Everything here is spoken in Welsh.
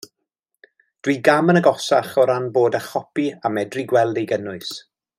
Dwi gam yn agosach o ran bod â chopi a medru gweld ei gynnwys.